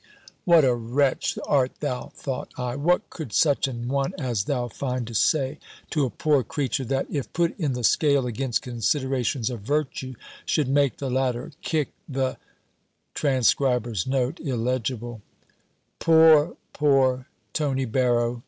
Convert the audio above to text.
"What a wretch art thou!" thought I. "What could such an one as thou find to say, to a poor creature that, if put in the scale against considerations of virtue, should make the latter kick the [Transcriber's note: illegible] "Poor, poor Tony Barrow!